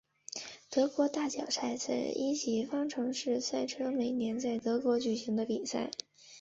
德国大奖赛是一级方程式赛车每年在德国举行的比赛。